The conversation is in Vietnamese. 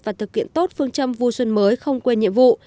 và thực hiện tốt phương châm vui xuân mới không quên nhiệm vụ